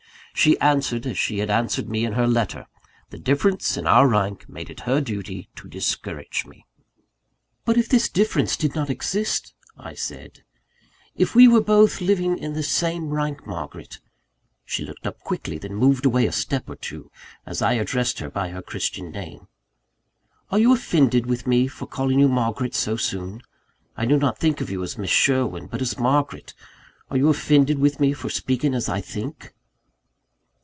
She answered, as she had answered me in her letter: the difference in our rank made it her duty to discourage me. "But if this difference did not exist," I said: "if we were both living in the same rank, Margaret " She looked up quickly; then moved away a step or two, as I addressed her by her Christian name. "Are you offended with me for calling you Margaret so soon? I do not think of you as Miss Sherwin, but as Margaret are you offended with me for speaking as I think?"